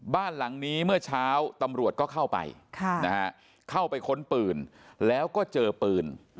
บ้านหลังนี้เมื่อเช้าตำรวจก็เข้าไปเข้าไปค้นปืนแล้วก็เจอปืน